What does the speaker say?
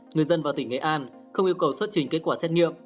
người dân vào tỉnh nghệ an không yêu cầu xuất trình kết quả xét nghiệm